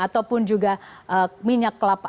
ataupun juga minyak kelapa